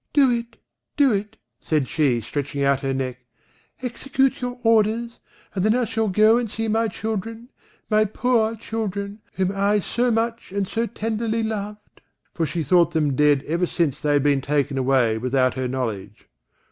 "Do it, do it," said she stretching out her neck, "execute your orders, and then I shall go and see my children, my poor children, whom I so much and so tenderly loved," for she thought them dead ever since they had been taken away without her knowledge.